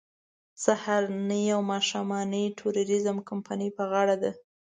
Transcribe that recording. سهارنۍ او ماښامنۍ د ټوریزم کمپنۍ په غاړه ده.